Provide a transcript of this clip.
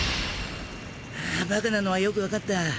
ああバカなのはよくわかった。